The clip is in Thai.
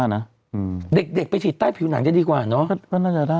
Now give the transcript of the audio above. ในกรุงเด็กเนาะ